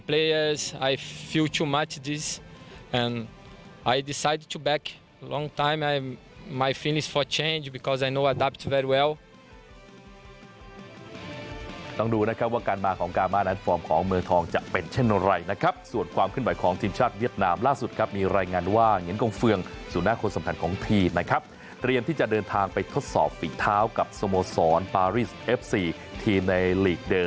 และฉันต้องกลับมากกว่านี้เพราะฉันรู้ว่าความสุขของฉันคือเปลี่ยนมาก